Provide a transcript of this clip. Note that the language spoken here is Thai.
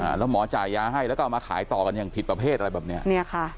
แล้วหมอจ่ายยาให้แล้วก็เอามาขายต่อกันอย่างผิดประเภทอะไรแบบเนี้ยเนี้ยค่ะ